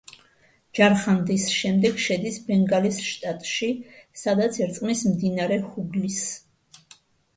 ჯარხანდის შემდეგ შედის ბენგალის შტატში, სადაც ერწყმის მდინარე ჰუგლის.